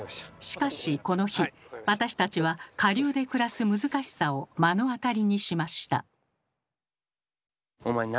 しかしこの日私たちは下流で暮らす難しさを目の当たりにしました。